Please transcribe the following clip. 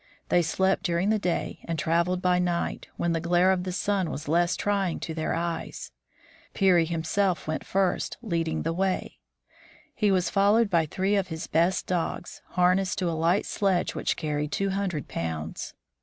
They slept during the day and traveled by night, when the glare of the sun was less trying to their eyes. Peary himself went first, leading the way. He was followed by three of his best dogs, harnessed to a light sledge which carried two hundred pounds.